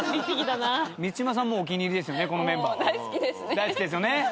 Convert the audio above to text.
大好きですね。